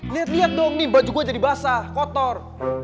liat liat dong nih baju gue jadi basah kotor